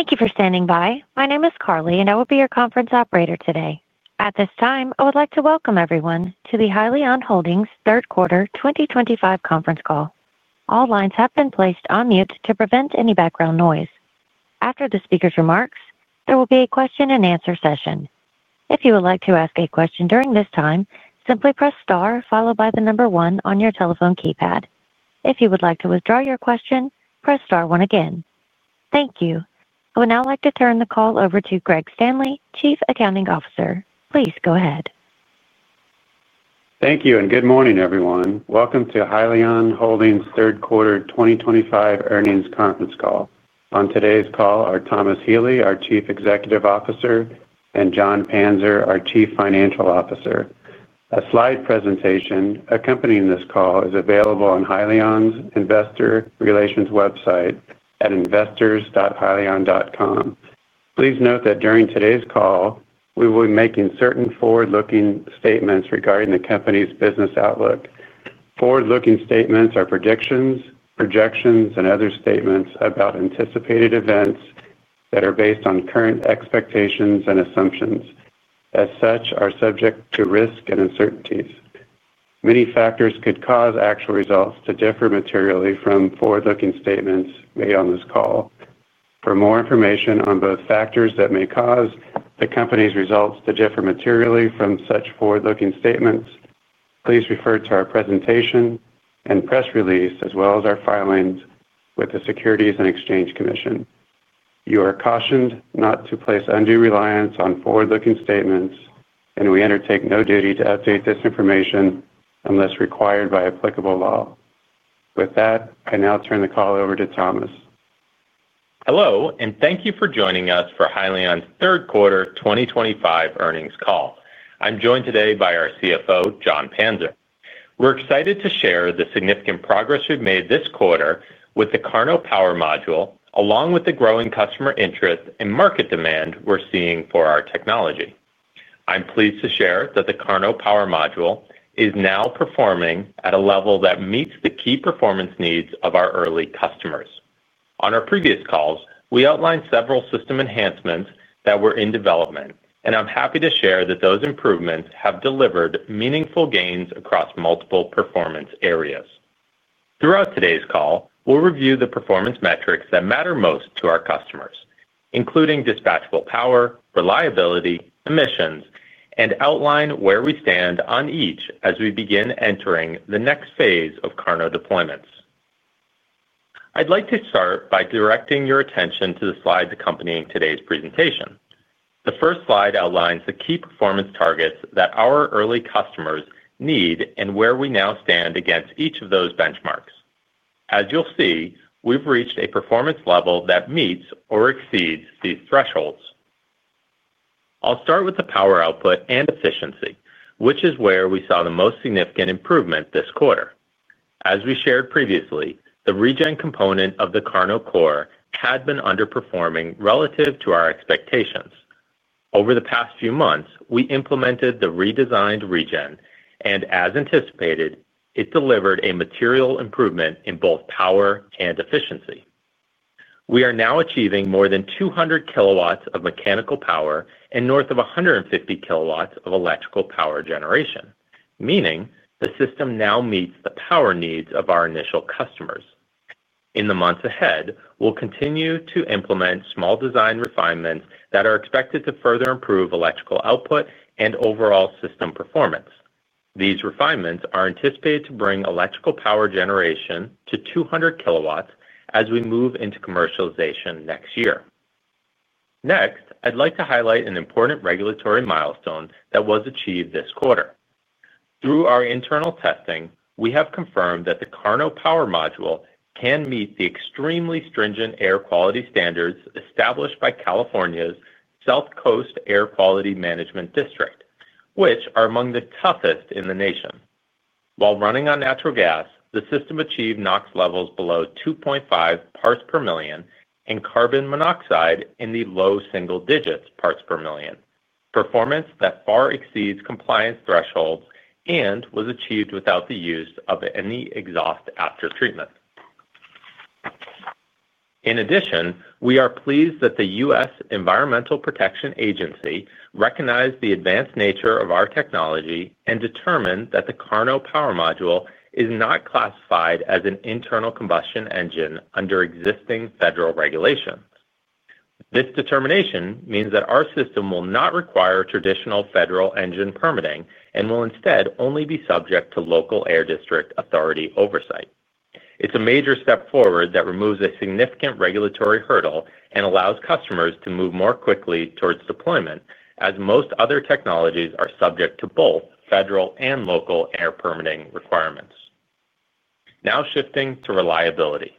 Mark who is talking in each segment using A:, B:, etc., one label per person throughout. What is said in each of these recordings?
A: Thank you for standing by. My name is Carly, and I will be your conference operator today. At this time, I would like to welcome everyone to the Hyliion Holdings third quarter 2025 conference call. All lines have been placed on mute to prevent any background noise. After the speaker's remarks, there will be a question-and-answer session. If you would like to ask a question during this time, simply press star followed by the number one on your telephone keypad. If you would like to withdraw your question, press star one again. Thank you. I would now like to turn the call over to Greg Standley, Chief Accounting Officer. Please go ahead.
B: Thank you, and good morning, everyone. Welcome to Hyliion Holdings third quarter 2025 earnings conference call. On today's call are Thomas Healy, our Chief Executive Officer, and Jon Panzer, our Chief Financial Officer. A slide presentation accompanying this call is available on Hyliion's investor relations website at investors.hyliion.com. Please note that during today's call, we will be making certain forward-looking statements regarding the company's business outlook. Forward-looking statements are predictions, projections, and other statements about anticipated events that are based on current expectations and assumptions. As such, they are subject to risk and uncertainties. Many factors could cause actual results to differ materially from forward-looking statements made on this call. For more information on both factors that may cause the company's results to differ materially from such forward-looking statements, please refer to our presentation and press release, as well as our filings with the Securities and Exchange Commission. You are cautioned not to place undue reliance on forward-looking statements, and we undertake no duty to update this information unless required by applicable law. With that, I now turn the call over to Thomas.
C: Hello, and thank you for joining us for Hyliion's third quarter 2025 earnings call. I'm joined today by our CFO, Jon Panzer. We're excited to share the significant progress we've made this quarter with the KARNO Power Module, along with the growing customer interest and market demand we're seeing for our technology. I'm pleased to share that the KARNO Power Module is now performing at a level that meets the key performance needs of our early customers. On our previous calls, we outlined several system enhancements that were in development, and I'm happy to share that those improvements have delivered meaningful gains across multiple performance areas. Throughout today's call, we'll review the performance metrics that matter most to our customers, including dispatchable power, reliability, emissions, and outline where we stand on each as we begin entering the next phase of KARNO deployments. I'd like to start by directing your attention to the slides accompanying today's presentation. The first slide outlines the key performance targets that our early customers need and where we now stand against each of those benchmarks. As you'll see, we've reached a performance level that meets or exceeds these thresholds. I'll start with the power output and efficiency, which is where we saw the most significant improvement this quarter. As we shared previously, the regen component of the KARNO core had been underperforming relative to our expectations. Over the past few months, we implemented the redesigned regen, and as anticipated, it delivered a material improvement in both power and efficiency. We are now achieving more than 200 kW of mechanical power and north of 150 kW of electrical power generation, meaning the system now meets the power needs of our initial customers. In the months ahead, we'll continue to implement small design refinements that are expected to further improve electrical output and overall system performance. These refinements are anticipated to bring electrical power generation to 200 kW as we move into commercialization next year. Next, I'd like to highlight an important regulatory milestone that was achieved this quarter. Through our internal testing, we have confirmed that the KARNO Power Module can meet the extremely stringent air quality standards established by California's South Coast Air Quality Management District, which are among the toughest in the nation. While running on natural gas, the system achieved NOx levels below 2.5 parts per million and carbon monoxide in the low single digits parts per million, performance that far exceeds compliance thresholds and was achieved without the use of any exhaust after treatment. In addition, we are pleased that the U.S. Environmental Protection Agency recognized the advanced nature of our technology and determined that the KARNO Power Module is not classified as an internal combustion engine under existing federal regulations. This determination means that our system will not require traditional federal engine permitting and will instead only be subject to local air district authority oversight. It's a major step forward that removes a significant regulatory hurdle and allows customers to move more quickly towards deployment, as most other technologies are subject to both federal and local air permitting requirements. Now shifting to reliability.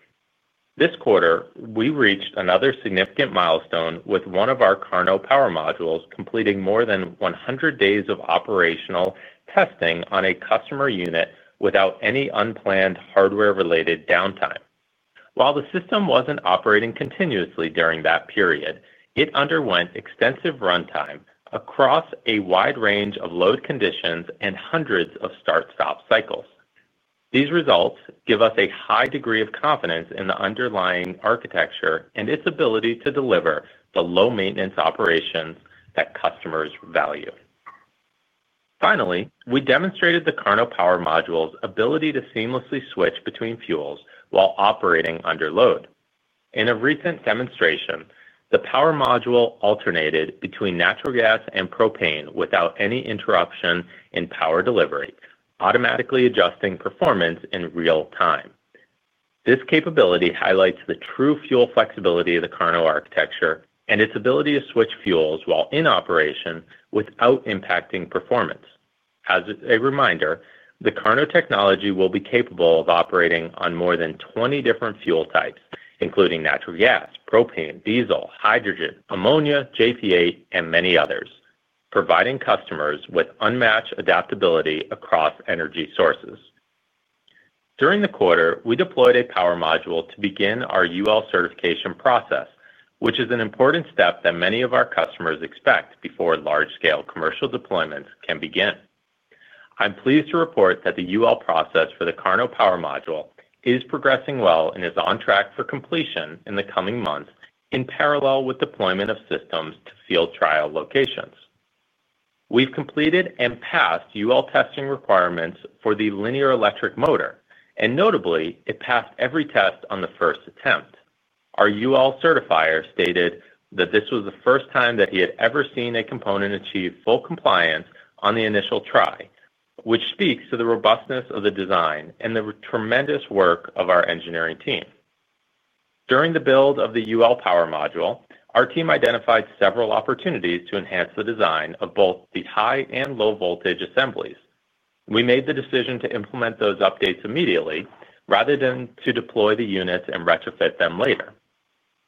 C: This quarter, we reached another significant milestone with one of our KARNO Power Modules completing more than 100 days of operational testing on a customer unit without any unplanned hardware-related downtime. While the system wasn't operating continuously during that period, it underwent extensive runtime across a wide range of load conditions and hundreds of start-stop cycles. These results give us a high degree of confidence in the underlying architecture and its ability to deliver the low-maintenance operations that customers value. Finally, we demonstrated the KARNO Power Module's ability to seamlessly switch between fuels while operating under load. In a recent demonstration, the power module alternated between natural gas and propane without any interruption in power delivery, automatically adjusting performance in real time. This capability highlights the true fuel flexibility of the KARNO architecture and its ability to switch fuels while in operation without impacting performance. As a reminder, the KARNO technology will be capable of operating on more than 20 different fuel types, including natural gas, propane, diesel, hydrogen, ammonia, JPA, and many others, providing customers with unmatched adaptability across energy sources. During the quarter, we deployed a power module to begin our UL certification process, which is an important step that many of our customers expect before large-scale commercial deployments can begin. I'm pleased to report that the UL process for the KARNO Power Module is progressing well and is on track for completion in the coming months in parallel with deployment of systems to field trial locations. We've completed and passed UL testing requirements for the linear electric motor, and notably, it passed every test on the first attempt. Our UL certifier stated that this was the first time that he had ever seen a component achieve full compliance on the initial try, which speaks to the robustness of the design and the tremendous work of our engineering team. During the build of the UL power module, our team identified several opportunities to enhance the design of both the high and low voltage assemblies. We made the decision to implement those updates immediately rather than to deploy the units and retrofit them later.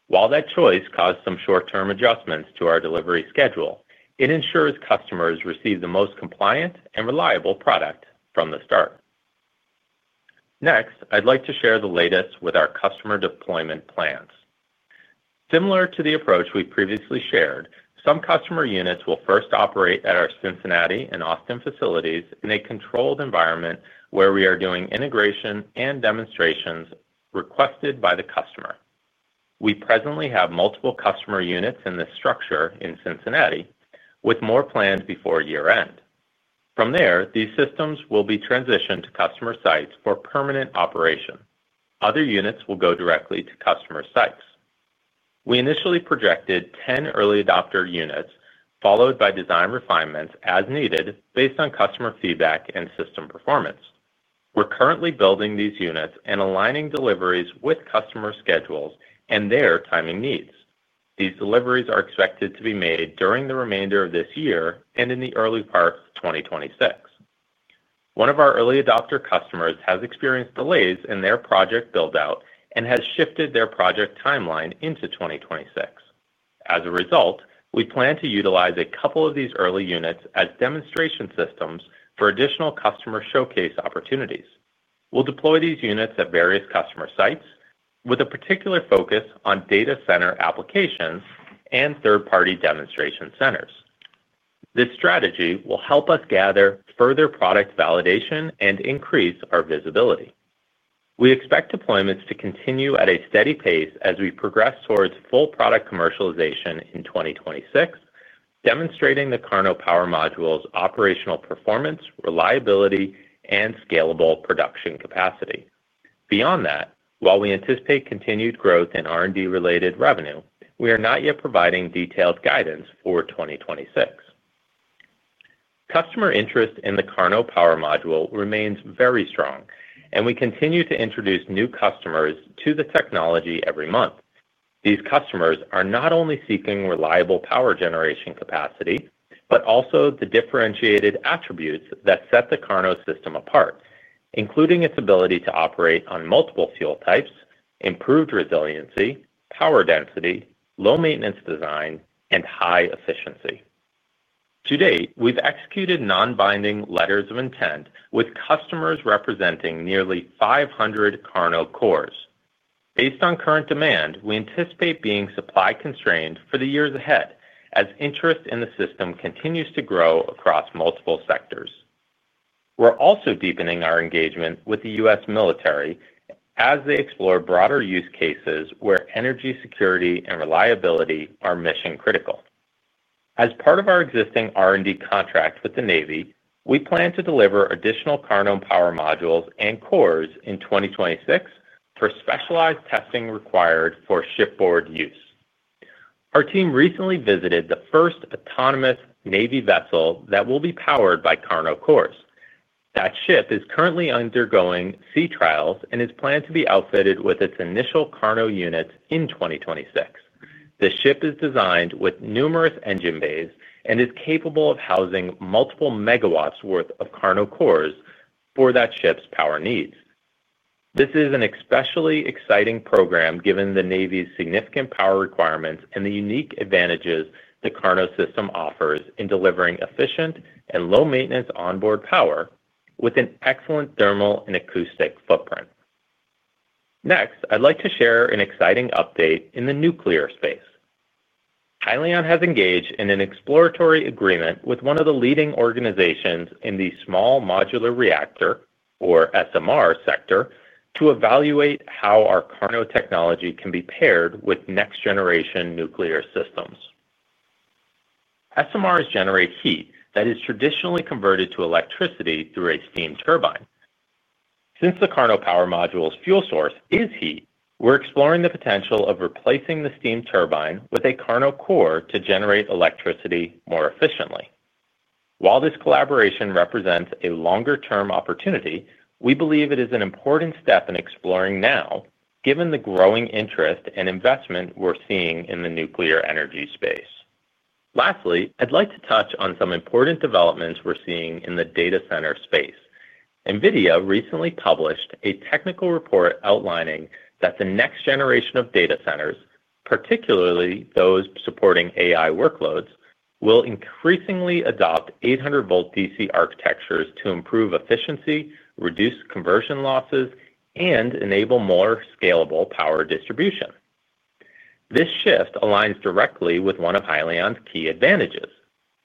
C: While that choice caused some short-term adjustments to our delivery schedule, it ensures customers receive the most compliant and reliable product from the start. Next, I'd like to share the latest with our customer deployment plans. Similar to the approach we previously shared, some customer units will first operate at our Cincinnati and Austin facilities in a controlled environment where we are doing integration and demonstrations requested by the customer. We presently have multiple customer units in this structure in Cincinnati, with more planned before year-end. From there, these systems will be transitioned to customer sites for permanent operation. Other units will go directly to customer sites. We initially projected 10 early adopter units, followed by design refinements as needed based on customer feedback and system performance. We're currently building these units and aligning deliveries with customer schedules and their timing needs. These deliveries are expected to be made during the remainder of this year and in the early part of 2026. One of our early adopter customers has experienced delays in their project build-out and has shifted their project timeline into 2026. As a result, we plan to utilize a couple of these early units as demonstration systems for additional customer showcase opportunities. We'll deploy these units at various customer sites, with a particular focus on data center applications and third-party demonstration centers. This strategy will help us gather further product validation and increase our visibility. We expect deployments to continue at a steady pace as we progress towards full product commercialization in 2026, demonstrating the KARNO Power Module's operational performance, reliability, and scalable production capacity. Beyond that, while we anticipate continued growth in R&D-related revenue, we are not yet providing detailed guidance for 2026. Customer interest in the KARNO Power Module remains very strong, and we continue to introduce new customers to the technology every month. These customers are not only seeking reliable power generation capacity, but also the differentiated attributes that set the KARNO system apart, including its ability to operate on multiple fuel types, improved resiliency, power density, low-maintenance design, and high efficiency. To date, we've executed non-binding letters of intent with customers representing nearly 500 KARNO cores. Based on current demand, we anticipate being supply-constrained for the years ahead as interest in the system continues to grow across multiple sectors. We're also deepening our engagement with the U.S. military as they explore broader use cases where energy security and reliability are mission-critical. As part of our existing R&D contract with the Navy, we plan to deliver additional KARNO Power Modules and cores in 2026 for specialized testing required for shipboard use. Our team recently visited the first autonomous Navy vessel that will be powered by KARNO cores. That ship is currently undergoing sea trials and is planned to be outfitted with its initial KARNO units in 2026. The ship is designed with numerous engine bays and is capable of housing multiple megawatts' worth of KARNO cores for that ship's power needs. This is an especially exciting program given the Navy's significant power requirements and the unique advantages the KARNO system offers in delivering efficient and low-maintenance onboard power with an excellent thermal and acoustic footprint. Next, I'd like to share an exciting update in the nuclear space. Hyliion has engaged in an exploratory agreement with one of the leading organizations in the small modular reactor, or SMR, sector to evaluate how our KARNO technology can be paired with next-generation nuclear systems. SMRs generate heat that is traditionally converted to electricity through a steam turbine. Since the KARNO Power Module's fuel source is heat, we're exploring the potential of replacing the steam turbine with a KARNO core to generate electricity more efficiently. While this collaboration represents a longer-term opportunity, we believe it is an important step in exploring now, given the growing interest and investment we're seeing in the nuclear energy space. Lastly, I'd like to touch on some important developments we're seeing in the data center space. NVIDIA recently published a technical report outlining that the next generation of data centers, particularly those supporting AI workloads, will increasingly adopt 800-volt DC architectures to improve efficiency, reduce conversion losses, and enable more scalable power distribution. This shift aligns directly with one of Hyliion's key advantages.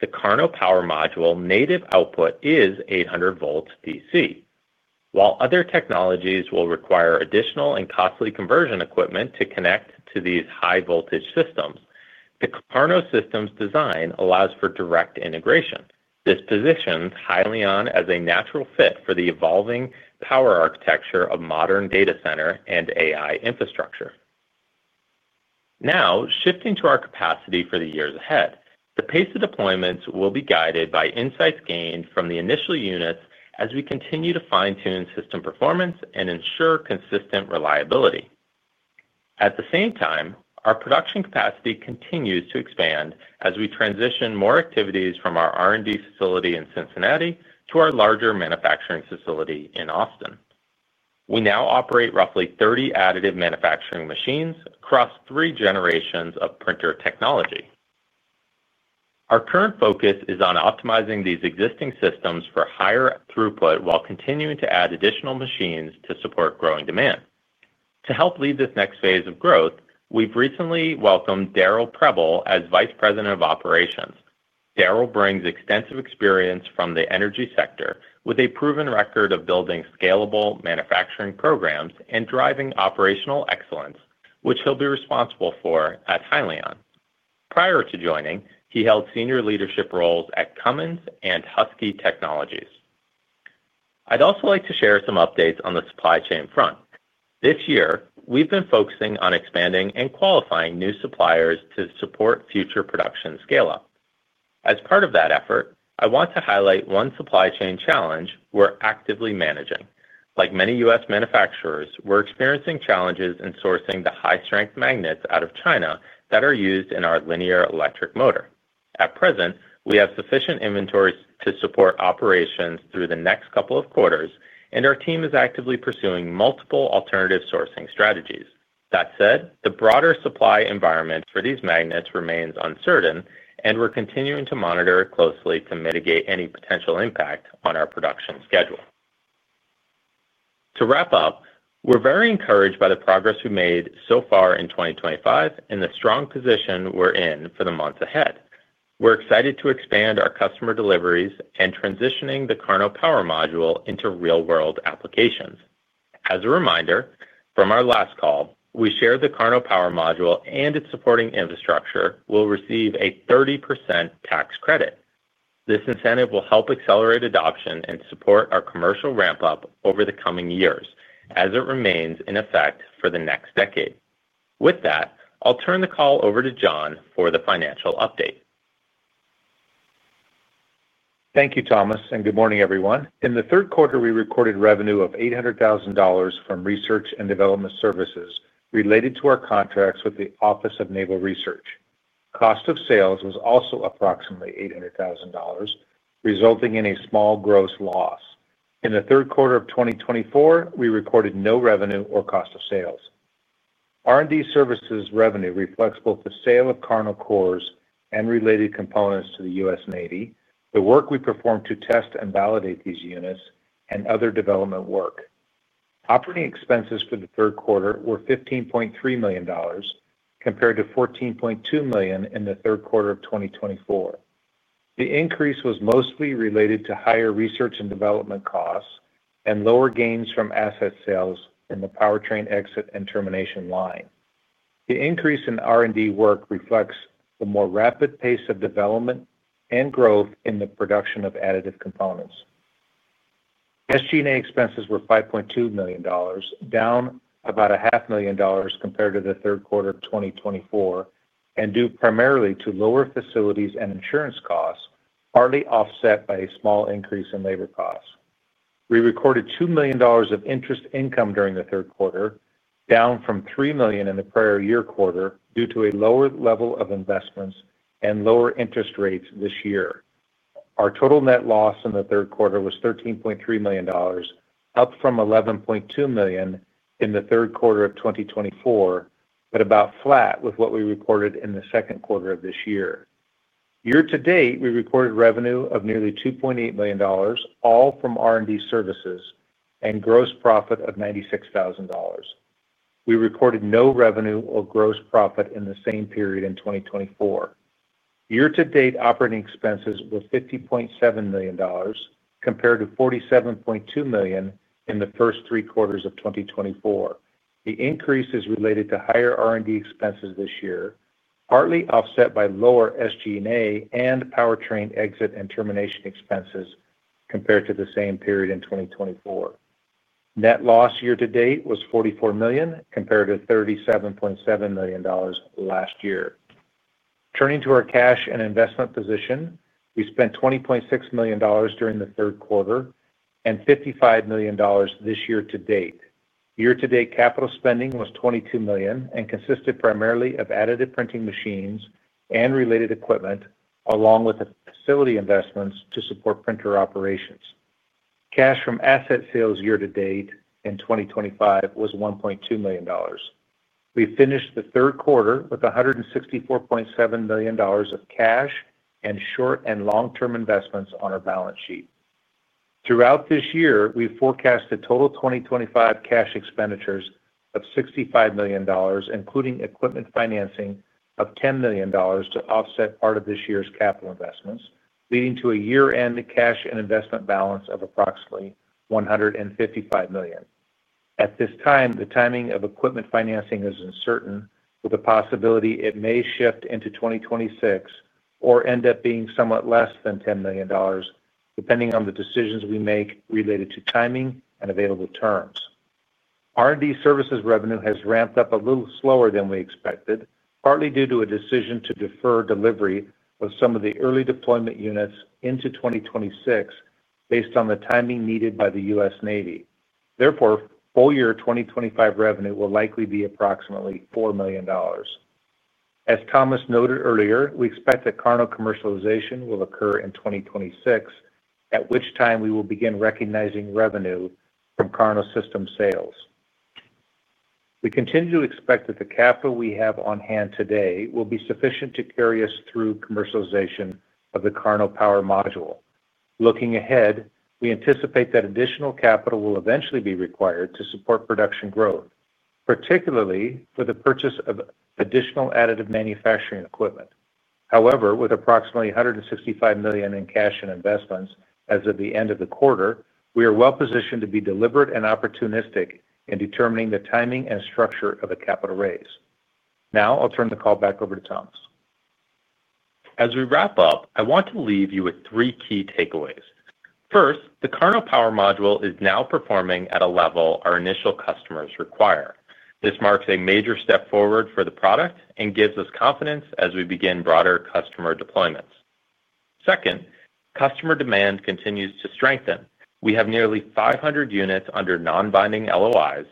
C: The KARNO Power Module native output is 800 volts DC. While other technologies will require additional and costly conversion equipment to connect to these high-voltage systems, the KARNO system's design allows for direct integration. This positions Hyliion as a natural fit for the evolving power architecture of modern data center and AI infrastructure. Now, shifting to our capacity for the years ahead, the pace of deployments will be guided by insights gained from the initial units as we continue to fine-tune system performance and ensure consistent reliability. At the same time, our production capacity continues to expand as we transition more activities from our R&D facility in Cincinnati to our larger manufacturing facility in Austin. We now operate roughly 30 additive manufacturing machines across three generations of printer technology. Our current focus is on optimizing these existing systems for higher throughput while continuing to add additional machines to support growing demand. To help lead this next phase of growth, we've recently welcomed Darrell Prebble as Vice President of Operations. Darrell brings extensive experience from the energy sector with a proven record of building scalable manufacturing programs and driving operational excellence, which he'll be responsible for at Hyliion. Prior to joining, he held senior leadership roles at Cummins and Husky Technologies. I'd also like to share some updates on the supply chain front. This year, we've been focusing on expanding and qualifying new suppliers to support future production scale-up. As part of that effort, I want to highlight one supply chain challenge we're actively managing. Like many U.S. manufacturers, we're experiencing challenges in sourcing the high-strength magnets out of China that are used in our linear electric motor. At present, we have sufficient inventories to support operations through the next couple of quarters, and our team is actively pursuing multiple alternative sourcing strategies. That said, the broader supply environment for these magnets remains uncertain, and we're continuing to monitor it closely to mitigate any potential impact on our production schedule. To wrap up, we're very encouraged by the progress we've made so far in 2025 and the strong position we're in for the months ahead. We're excited to expand our customer deliveries and transitioning the KARNO Power Module into real-world applications. As a reminder, from our last call, we shared the KARNO Power Module and its supporting infrastructure will receive a 30% tax credit. This incentive will help accelerate adoption and support our commercial ramp-up over the coming years as it remains in effect for the next decade. With that, I'll turn the call over to Jon for the financial update.
D: Thank you, Thomas, and good morning, everyone. In the third quarter, we recorded revenue of $800,000 from research and development services related to our contracts with the Office of Naval Research. Cost of sales was also approximately $800,000, resulting in a small gross loss. In the third quarter of 2024, we recorded no revenue or cost of sales. R&D services revenue reflects both the sale of KARNO cores and related components to the U.S. Navy, the work we performed to test and validate these units, and other development work. Operating expenses for the third quarter were $15.3 million, compared to $14.2 million in the third quarter of 2024. The increase was mostly related to higher research and development costs and lower gains from asset sales in the powertrain exit and termination line. The increase in R&D work reflects the more rapid pace of development and growth in the production of additive components. SG&A expenses were $5.2 million, down about $500,000 compared to the third quarter of 2024, and due primarily to lower facilities and insurance costs, partly offset by a small increase in labor costs. We recorded $2 million of interest income during the third quarter, down from $3 million in the prior year quarter due to a lower level of investments and lower interest rates this year. Our total net loss in the third quarter was $13.3 million, up from $11.2 million in the third quarter of 2024, but about flat with what we reported in the second quarter of this year. Year-to-date, we recorded revenue of nearly $2.8 million, all from R&D services, and gross profit of $96,000. We recorded no revenue or gross profit in the same period in 2024. Year-to-date operating expenses were $50.7 million, compared to $47.2 million in the first three quarters of 2024. The increase is related to higher R&D expenses this year, partly offset by lower SG&A and powertrain exit and termination expenses compared to the same period in 2024. Net loss year-to-date was $44 million, compared to $37.7 million last year. Turning to our cash and investment position, we spent $20.6 million during the third quarter and $55 million this year-to-date. Year-to-date capital spending was $22 million and consisted primarily of additive printing machines and related equipment, along with facility investments to support printer operations. Cash from asset sales year-to-date in 2025 was $1.2 million. We finished the third quarter with $164.7 million of cash and short and long-term investments on our balance sheet. Throughout this year, we forecast a total 2025 cash expenditures of $65 million, including equipment financing of $10 million to offset part of this year's capital investments, leading to a year-end cash and investment balance of approximately $155 million. At this time, the timing of equipment financing is uncertain, with the possibility it may shift into 2026 or end up being somewhat less than $10 million, depending on the decisions we make related to timing and available terms. R&D services revenue has ramped up a little slower than we expected, partly due to a decision to defer delivery of some of the early deployment units into 2026 based on the timing needed by the U.S. Navy. Therefore, full year 2025 revenue will likely be approximately $4 million. As Thomas noted earlier, we expect that KARNO commercialization will occur in 2026, at which time we will begin recognizing revenue from KARNO system sales. We continue to expect that the capital we have on hand today will be sufficient to carry us through commercialization of the KARNO Power Module. Looking ahead, we anticipate that additional capital will eventually be required to support production growth, particularly for the purchase of additional additive manufacturing equipment. However, with approximately $165 million in cash and investments as of the end of the quarter, we are well-positioned to be deliberate and opportunistic in determining the timing and structure of a capital raise. Now, I'll turn the call back over to Thomas.
E: As we wrap up, I want to leave you with three key takeaways. First, the KARNO Power Module is now performing at a level our initial customers require. This marks a major step forward for the product and gives us confidence as we begin broader customer deployments. Second, customer demand continues to strengthen. We have nearly 500 units under non-binding LOIs,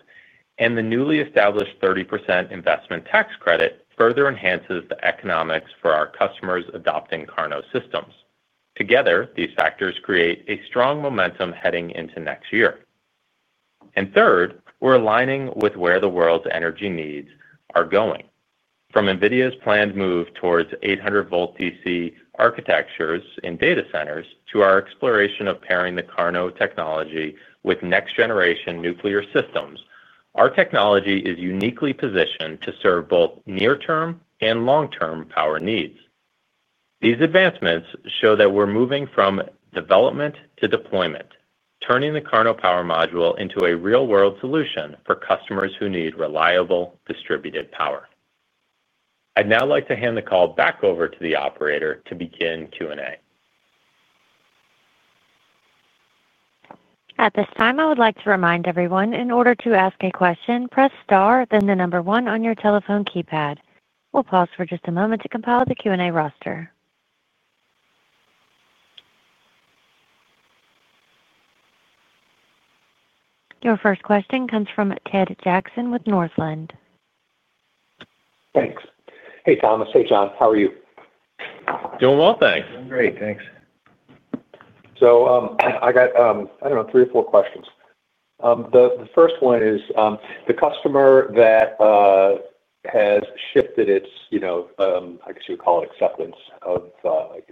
E: and the newly established 30% investment tax credit further enhances the economics for our customers adopting KARNO systems. Together, these factors create strong momentum heading into next year. Third, we're aligning with where the world's energy needs are going. From NVIDIA's planned move towards 800-volt DC architectures in data centers to our exploration of pairing the KARNO technology with next-generation nuclear systems, our technology is uniquely positioned to serve both near-term and long-term power needs. These advancements show that we're moving from development to deployment, turning the KARNO Power Module into a real-world solution for customers who need reliable distributed power. I'd now like to hand the call back over to the operator to begin Q&A.
A: At this time, I would like to remind everyone, in order to ask a question, press star, then the number one on your telephone keypad. We'll pause for just a moment to compile the Q&A roster. Your first question comes from Ted Jackson with Northland.
F: Thanks. Hey, Thomas. Hey, Jon. How are you?
E: Doing well, thanks.
D: Doing great, thanks.
F: So I got, I don't know, three or four questions. The first one is, the customer that has shifted its, I guess you would call it acceptance of the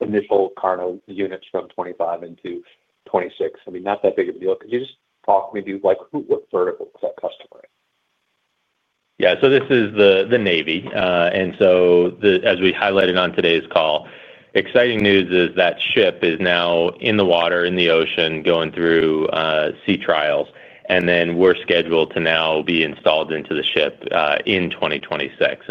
F: initial KARNO units from 2025 into 2026, I mean, not that big of a deal. Could you just talk maybe what vertical is that customer in?
E: Yeah, so this is the Navy. As we highlighted on today's call, exciting news is that ship is now in the water, in the ocean, going through sea trials, and we are scheduled to now be installed into the ship in 2026.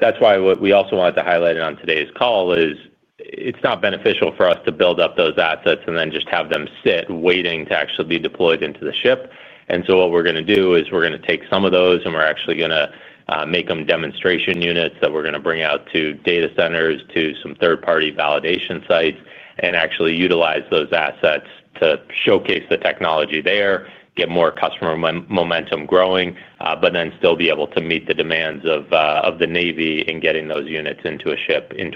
E: That is why what we also wanted to highlight on today's call is it's not beneficial for us to build up those assets and then just have them sit waiting to actually be deployed into the ship. What we are going to do is we are going to take some of those, and we are actually going to make them demonstration units that we are going to bring out to data centers, to some third-party validation sites, and actually utilize those assets to showcase the technology there, get more customer momentum growing, but then still be able to meet the demands of the Navy in getting those units into a ship in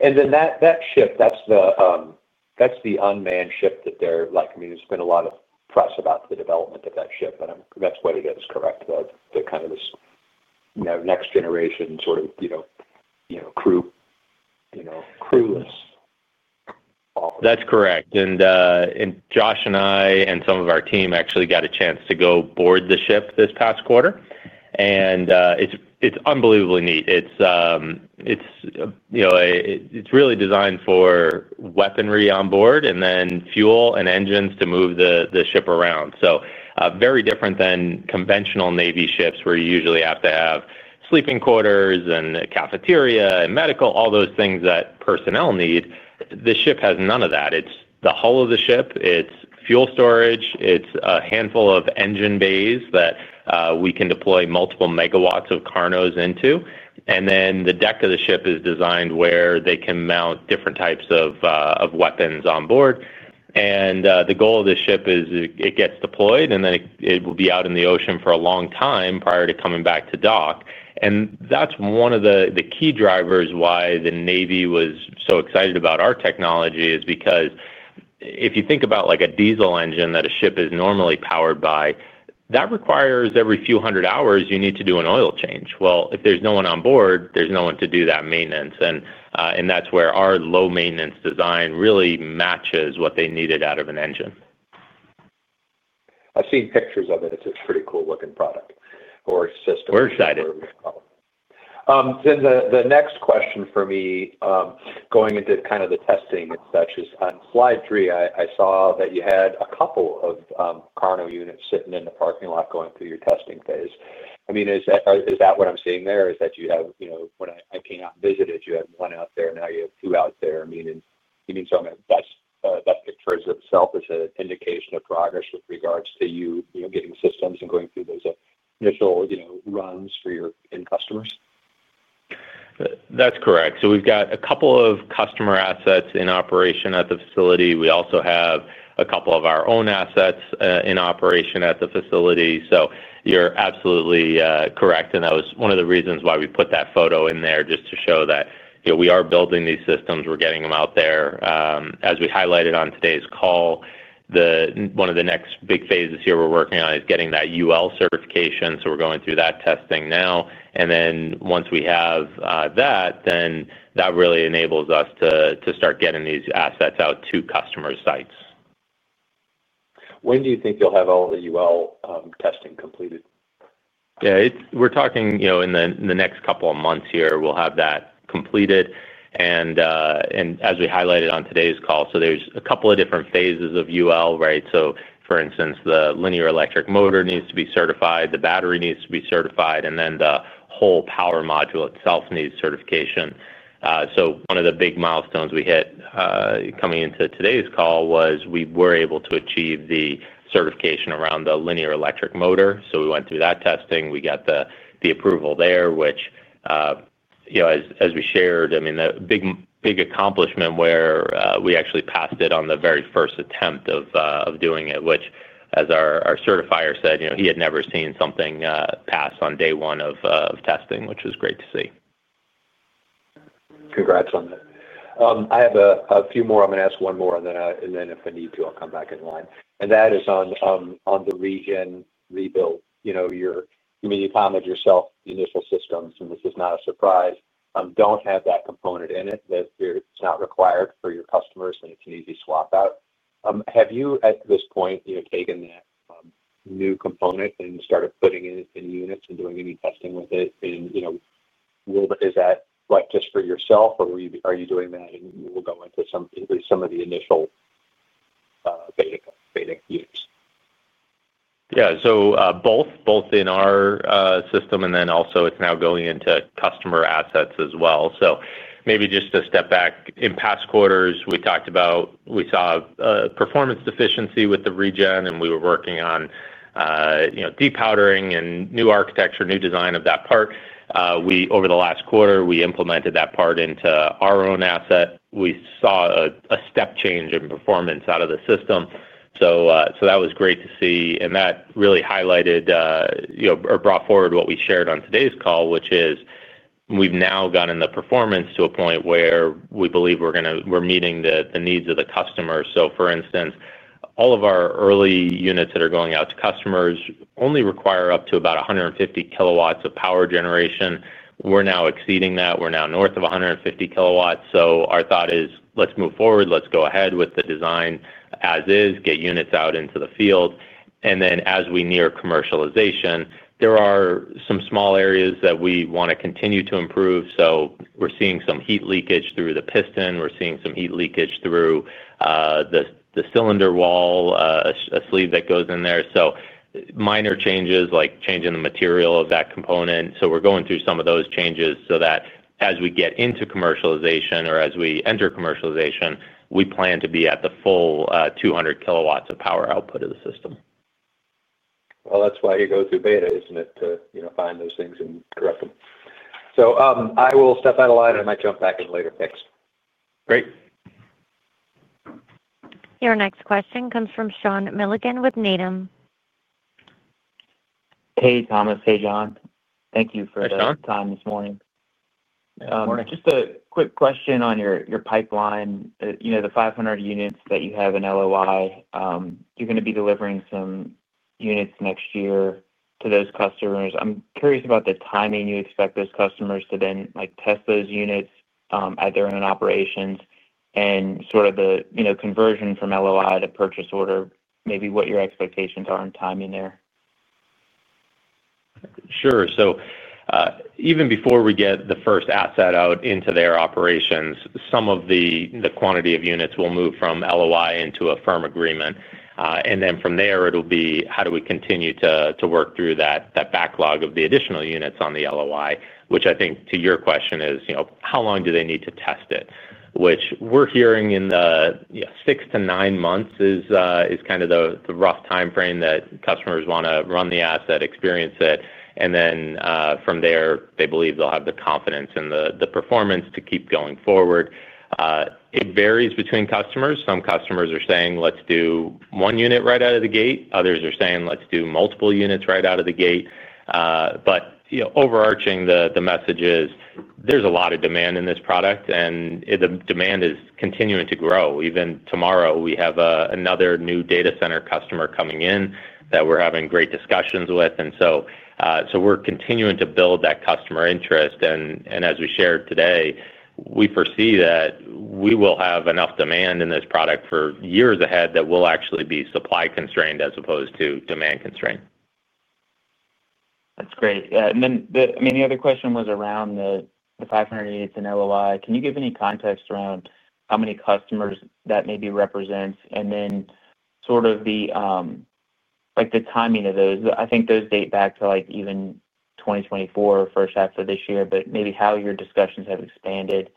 E: 2026.
F: That ship, that is the unmanned ship that they are, I mean, there has been a lot of press about the development of that ship, and that is what it is, correct? Kind of this next-generation sort of crewless.
E: That is correct. Josh and I and some of our team actually got a chance to go board the ship this past quarter. It is unbelievably neat. It's really designed for weaponry on board and then fuel and engines to move the ship around. Very different than conventional Navy ships where you usually have to have sleeping quarters and a cafeteria and medical, all those things that personnel need. The ship has none of that. It's the hull of the ship. It's fuel storage. It's a handful of engine bays that we can deploy multiple megawatts of KARNOs into. The deck of the ship is designed where they can mount different types of weapons on board. The goal of the ship is it gets deployed, and then it will be out in the ocean for a long time prior to coming back to dock. That is one of the key drivers why the Navy was so excited about our technology, because if you think about a diesel engine that a ship is normally powered by, that requires every few hundred hours you need to do an oil change. If there is no one on board, there is no one to do that maintenance. That is where our low-maintenance design really matches what they needed out of an engine.
F: I have seen pictures of it. It is a pretty cool-looking product or system.
E: We are excited.
F: The next question for me, going into kind of the testing and such, is on slide three. I saw that you had a couple of KARNO units sitting in the parking lot going through your testing phase. I mean, is that what I am seeing there? Is that you have when I came out and visited, you had one out there, now you have two out there. I mean, you mean something that pictures itself as an indication of progress with regards to you getting systems and going through those initial runs for your end customers?
C: That's correct. We have a couple of customer assets in operation at the facility. We also have a couple of our own assets in operation at the facility. You're absolutely correct. That was one of the reasons why we put that photo in there just to show that we are building these systems. We're getting them out there. As we highlighted on today's call, one of the next big phases here we're working on is getting that UL certification. We're going through that testing now. Once we have that, that really enables us to start getting these assets out to customer sites.
F: When do you think you'll have all the UL testing completed?
E: Yeah, we're talking in the next couple of months here, we'll have that completed. As we highlighted on today's call, there's a couple of different phases of UL, right? For instance, the linear electric motor needs to be certified, the battery needs to be certified, and then the whole power module itself needs certification. One of the big milestones we hit coming into today's call was we were able to achieve the certification around the linear electric motor. We went through that testing. We got the approval there, which, as we shared, I mean, a big accomplishment where we actually passed it on the very first attempt of doing it, which, as our certifier said, he had never seen something pass on day one of testing, which was great to see.
F: Congrats on that. I have a few more. I'm going to ask one more, and then if I need to, I'll come back in line. That is on the regen rebuild. You've immediately found that yourself, the initial systems, and this is not a surprise, don't have that component in it. It's not required for your customers, and it's an easy swap out. Have you, at this point, taken that new component and started putting in units and doing any testing with it? Is that just for yourself, or are you doing that? We will go into some of the initial beta units.
C: Yeah, both in our system, and then also it's now going into customer assets as well. Maybe just a step back. In past quarters, we talked about we saw performance deficiency with the regen, and we were working on depowdering and new architecture, new design of that part. Over the last quarter, we implemented that part into our own asset. We saw a step change in performance out of the system. That was great to see. That really highlighted or brought forward what we shared on today's call, which is we've now gotten the performance to a point where we believe we're meeting the needs of the customers. For instance, all of our early units that are going out to customers only require up to about 150 kW of power generation. We're now exceeding that. We're now north of 150 kW. So our thought is, let's move forward. Let's go ahead with the design as is, get units out into the field. And then as we near commercialization, there are some small areas that we want to continue to improve. We're seeing some heat leakage through the piston. We're seeing some heat leakage through the cylinder wall, a sleeve that goes in there. Minor changes like changing the material of that component. We're going through some of those changes so that as we get into commercialization or as we enter commercialization, we plan to be at the full 200 kW of power output of the system.
F: That's why you go through beta, isn't it, to find those things and correct them. I will step out of line, and I might jump back in later. Thanks.
E: Great.
A: Your next question comes from Sean Milligan with Needham.
G: Hey, Thomas. Hey, Jon. Thank you for the time this morning. Good morning. Just a quick question on your pipeline, the 500 units that you have in LOI. You're going to be delivering some units next year to those customers. I'm curious about the timing you expect those customers to then test those units at their own operations and sort of the conversion from LOI to purchase order, maybe what your expectations are on timing there.
C: Sure. Even before we get the first asset out into their operations, some of the quantity of units will move from LOI into a firm agreement. From there, it'll be how do we continue to work through that backlog of the additional units on the LOI, which I think, to your question, is how long do they need to test it, which we're hearing in the six- to nine-month range is kind of the rough timeframe that customers want to run the asset, experience it. From there, they believe they'll have the confidence and the performance to keep going forward. It varies between customers. Some customers are saying, "Let's do one unit right out of the gate." Others are saying, "Let's do multiple units right out of the gate." Overarching, the message is there's a lot of demand in this product, and the demand is continuing to grow. Even tomorrow, we have another new data center customer coming in that we're having great discussions with. We're continuing to build that customer interest. As we shared today, we foresee that we will have enough demand in this product for years ahead that we'll actually be supply constrained as opposed to demand constrained.
G: That's great. The other question was around the 500 units in LOI. Can you give any context around how many customers that maybe represents? And then sort of the timing of those, I think those date back to even 2024, first half of this year, but maybe how your discussions have expanded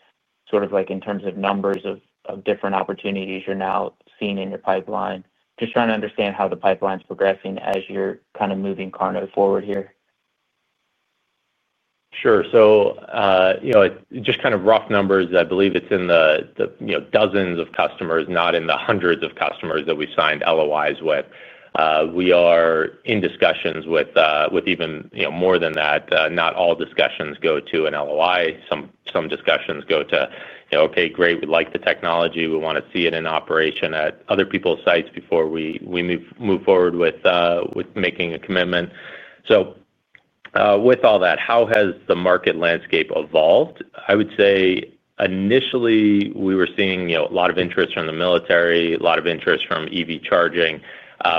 G: sort of in terms of numbers of different opportunities you're now seeing in your pipeline, just trying to understand how the pipeline's progressing as you're kind of moving KARNO forward here.
E: Sure. Just kind of rough numbers, I believe it's in the dozens of customers, not in the hundreds of customers that we've signed LOIs with. We are in discussions with even more than that. Not all discussions go to an LOI. Some discussions go to, "Okay, great. We like the technology. We want to see it in operation at other people's sites before we move forward with making a commitment." With all that, how has the market landscape evolved? I would say initially, we were seeing a lot of interest from the military, a lot of interest from EV charging.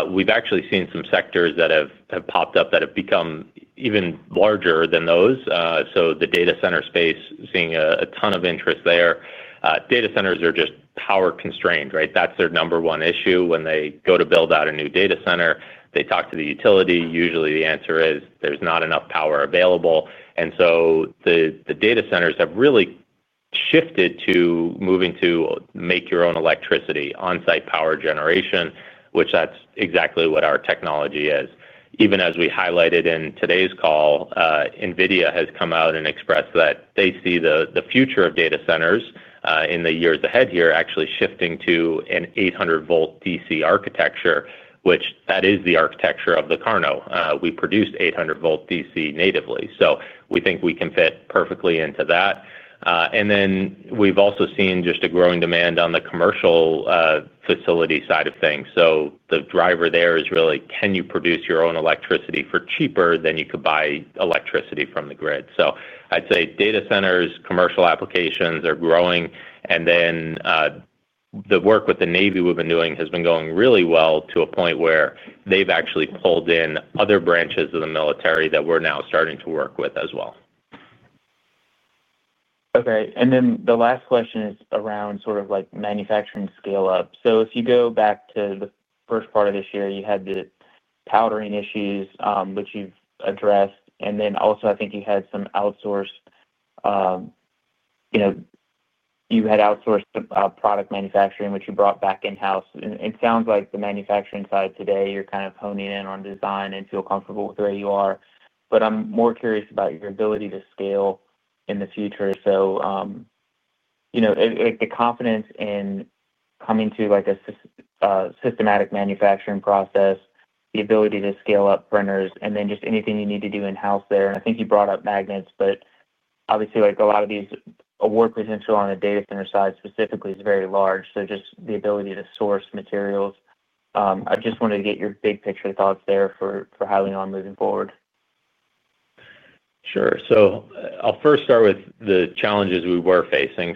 E: We have actually seen some sectors that have popped up that have become even larger than those. The data center space is seeing a ton of interest there. Data centers are just power constrained, right? That is their number one issue. When they go to build out a new data center, they talk to the utility. Usually, the answer is there is not enough power available. The data centers have really shifted to moving to make your own electricity, on-site power generation, which that's exactly what our technology is. Even as we highlighted in today's call, NVIDIA has come out and expressed that they see the future of data centers in the years ahead here actually shifting to an 800-volt DC architecture, which that is the architecture of the KARNO. We produce 800-volt DC natively. We think we can fit perfectly into that. We have also seen just a growing demand on the commercial facility side of things. The driver there is really, can you produce your own electricity for cheaper than you could buy electricity from the grid? I'd say data centers, commercial applications are growing. The work with the Navy we have been doing has been going really well to a point where they have actually pulled in other branches of the military that we are now starting to work with as well.
G: Okay. The last question is around sort of manufacturing scale-up. If you go back to the first part of this year, you had the powdering issues, which you have addressed. Also, I think you had some outsourced product manufacturing, which you brought back in-house. It sounds like the manufacturing side today, you are kind of honing in on design and feel comfortable with where you are. I am more curious about your ability to scale in the future. The confidence in coming to a systematic manufacturing process, the ability to scale up printers, and then just anything you need to do in-house there. I think you brought up magnets, but obviously, a lot of these award potential on the data center side specifically is very large. Just the ability to source materials. I just wanted to get your big picture thoughts there for how we are moving forward.
C: Sure. I'll first start with the challenges we were facing.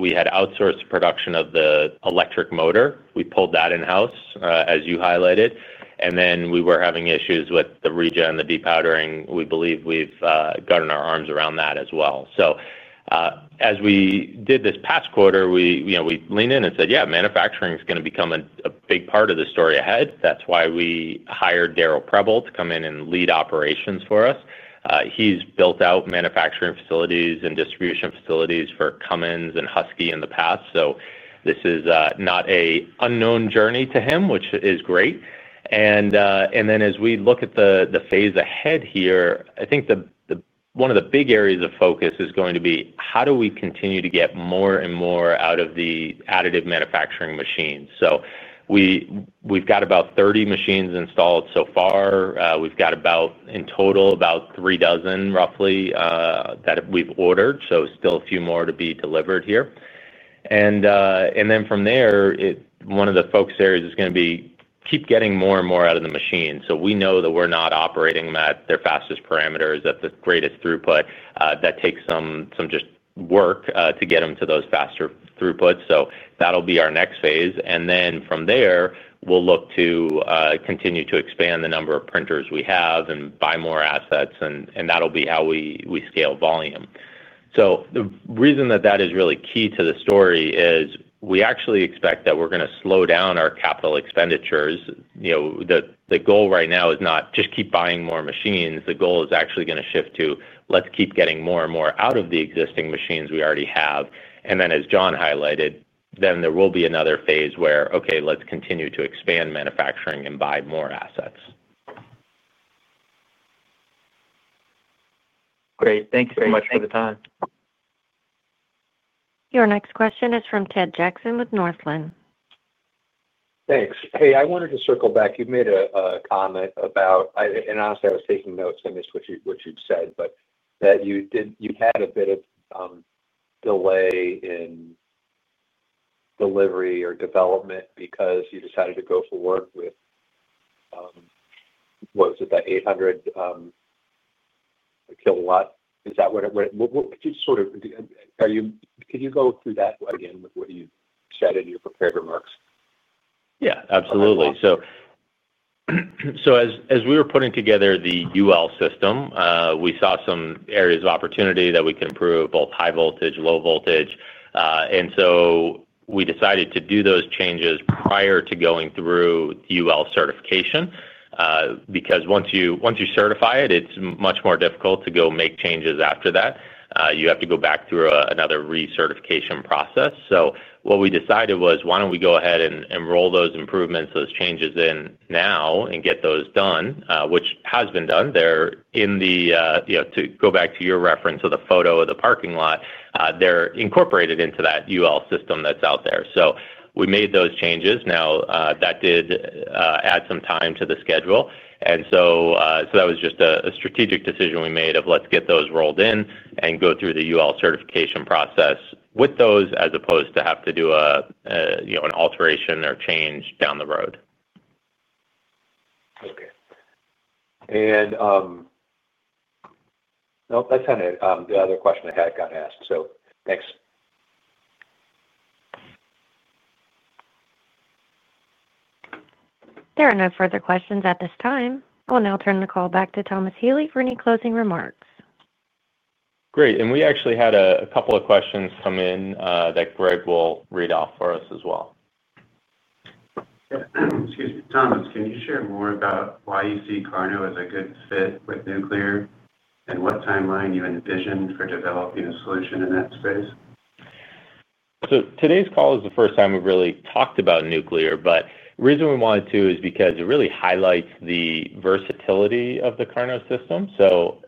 C: We had outsourced production of the electric motor. We pulled that in-house, as you highlighted. We were having issues with the regen, the depowdering. We believe we've gotten our arms around that as well. As we did this past quarter, we leaned in and said, "Yeah, manufacturing is going to become a big part of the story ahead." That's why we hired Darrell Prebble to come in and lead operations for us. He's built out manufacturing facilities and distribution facilities for Cummins and Husky in the past. This is not an unknown journey to him, which is great. As we look at the phase ahead here, I think one of the big areas of focus is going to be how do we continue to get more and more out of the additive manufacturing machines. We've got about 30 machines installed so far. We've got about, in total, about three dozen, roughly, that we've ordered. Still a few more to be delivered here. From there, one of the focus areas is going to be keep getting more and more out of the machines. We know that we're not operating at their fastest parameters, at the greatest throughput. That takes some just work to get them to those faster throughputs. That'll be our next phase. From there, we'll look to continue to expand the number of printers we have and buy more assets. That will be how we scale volume. The reason that is really key to the story is we actually expect that we're going to slow down our capital expenditures. The goal right now is not just keep buying more machines. The goal is actually going to shift to let's keep getting more and more out of the existing machines we already have. As Jon highlighted, there will be another phase where, okay, let's continue to expand manufacturing and buy more assets.
G: Great. Thank you so much for the time.
A: Your next question is from Ted Jackson with Northland.
F: Thanks. Hey, I wanted to circle back. You've made a comment about, and honestly, I was taking notes and missed what you'd said, but that you had a bit of delay in delivery or development because you decided to go for work with, what was it, that 800-volt? Is that what it was? What could you sort of—can you go through that again with what you said in your prepared remarks?
C: Yeah, absolutely. As we were putting together the UL system, we saw some areas of opportunity that we could improve, both high voltage, low voltage. We decided to do those changes prior to going through UL certification because once you certify it, it's much more difficult to go make changes after that. You have to go back through another recertification process. What we decided was, why do we not go ahead and roll those improvements, those changes in now and get those done, which has been done. They are in the—to go back to your reference of the photo of the parking lot, they are incorporated into that UL system that is out there. We made those changes. That did add some time to the schedule. That was just a strategic decision we made of, let us get those rolled in and go through the UL certification process with those as opposed to having to do an alteration or change down the road.
F: Okay. Nope, that is kind of the other question I had gotten asked. Thanks.
A: There are no further questions at this time. I will now turn the call back to Thomas Healy for any closing remarks.
E: Great. We actually had a couple of questions come in that Greg will read off for us as well.
B: Excuse me. Thomas, can you share more about why you see KARNO as a good fit with nuclear and what timeline you envision for developing a solution in that space?
E: Today's call is the first time we've really talked about nuclear, but the reason we wanted to is because it really highlights the versatility of the KARNO system.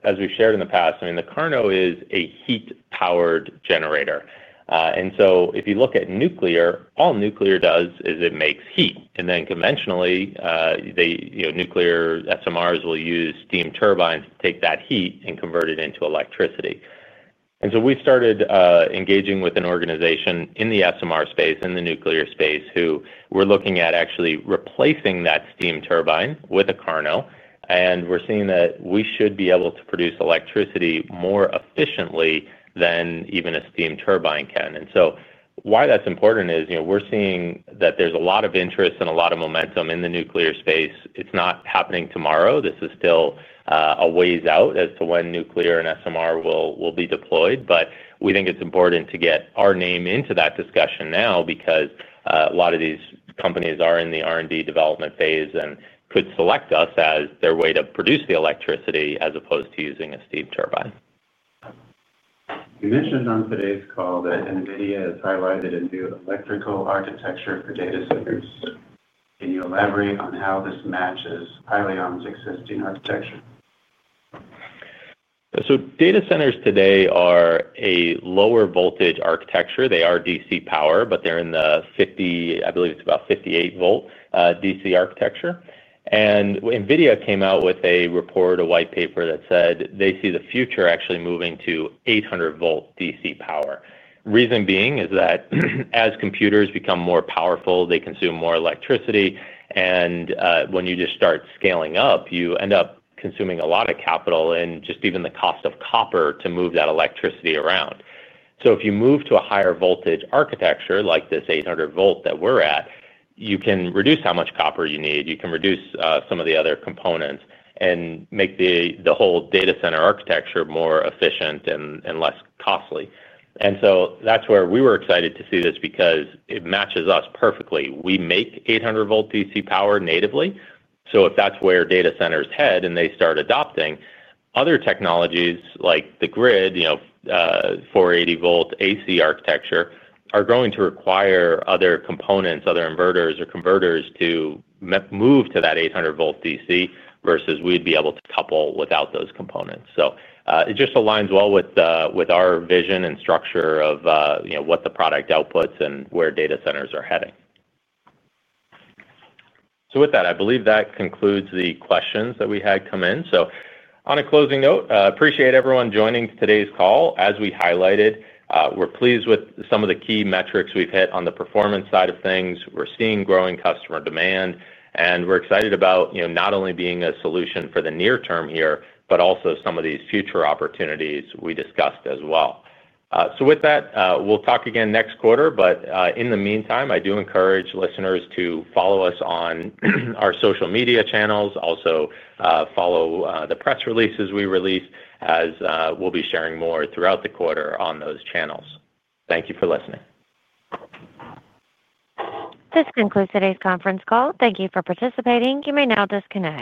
E: As we shared in the past, I mean, the KARNO is a heat-powered generator. If you look at nuclear, all nuclear does is it makes heat. Conventionally, nuclear SMRs will use steam turbines to take that heat and convert it into electricity. We started engaging with an organization in the SMR space, in the nuclear space, who are looking at actually replacing that steam turbine with a KARNO. We are seeing that we should be able to produce electricity more efficiently than even a steam turbine can. Why that is important is we are seeing that there is a lot of interest and a lot of momentum in the nuclear space. It is not happening tomorrow. This is still a ways out as to when nuclear and SMR will be deployed. We think it is important to get our name into that discussion now because a lot of these companies are in the R&D development phase and could select us as their way to produce the electricity as opposed to using a steam turbine.
B: You mentioned on today's call that NVIDIA has highlighted a new electrical architecture for data centers. Can you elaborate on how this matches Hyliion's existing architecture?
C: Data centers today are a lower voltage architecture. They are DC power, but they're in the 50—I believe it's about 58-volt DC architecture. NVIDIA came out with a report, a white paper that said they see the future actually moving to 800-volt DC power. The reason being is that as computers become more powerful, they consume more electricity. When you just start scaling up, you end up consuming a lot of capital and just even the cost of copper to move that electricity around. If you move to a higher voltage architecture like this 800-volt that we're at, you can reduce how much copper you need. You can reduce some of the other components and make the whole data center architecture more efficient and less costly. That is where we were excited to see this because it matches us perfectly. We make 800-volt DC power natively. If that is where data centers head and they start adopting, other technologies like the grid, 480-volt AC architecture, are going to require other components, other inverters or converters to move to that 800-volt DC versus we would be able to couple without those components. It just aligns well with our vision and structure of what the product outputs and where data centers are heading. With that, I believe that concludes the questions that we had come in. On a closing note, I appreciate everyone joining today's call. As we highlighted, we are pleased with some of the key metrics we have hit on the performance side of things. We are seeing growing customer demand. We're excited about not only being a solution for the near term here, but also some of these future opportunities we discussed as well. With that, we'll talk again next quarter. In the meantime, I do encourage listeners to follow us on our social media channels. Also, follow the press releases we release as we'll be sharing more throughout the quarter on those channels. Thank you for listening.
A: This concludes today's conference call. Thank you for participating. You may now disconnect.